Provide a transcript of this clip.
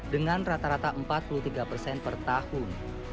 dengan rata rata empat puluh tiga persen per tahun